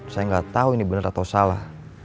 saya nggak tahu ini benar atau salah